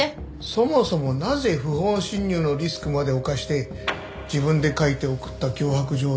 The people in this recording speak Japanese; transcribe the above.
そもそもなぜ不法侵入のリスクまで冒して自分で書いて送った脅迫状を取り返したんですか？